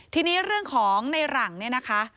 ทีนี้เรื่องของในหลังนะคะ